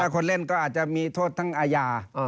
คนเล่นก็อาจจะมีโทษทั้งอาญา